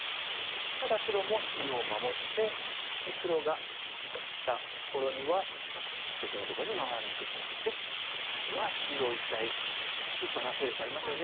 ただ白も中央守って黒が生きた頃にはまあ別のところに回られてしまってこれでは中央一帯立派な勢力ありますよね。